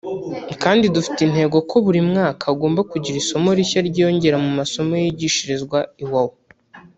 kandi dufite intego ko buri mwaka hagomba kugira isomo rishya ryiyongera mu masomo yigishirizwa Iwawa